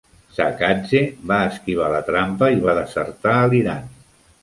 Saakadze va esquivar la trampa i va desertar a l'Iran.